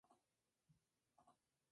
No se menciona jamás a su padre.